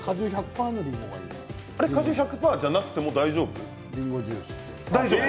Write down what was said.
果汁１００％じゃなくても大丈夫？